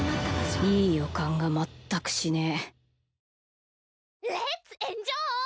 いい予感が全くしねぇ。